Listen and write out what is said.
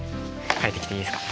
書いてきていいですか？